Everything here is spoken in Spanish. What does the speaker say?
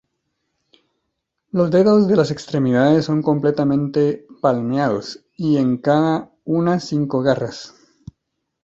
Los dedos de las extremidades son completamente palmeados y en cada una cinco garras.